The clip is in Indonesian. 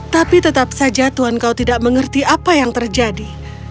tapi tetap saja tuhan kau tidak mengerti apa yang terjadi